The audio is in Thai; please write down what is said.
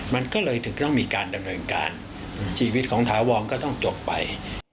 มันก็เลยถึงต้องมีการดำเนินการชีวิตของถาวรก็ต้องจบไป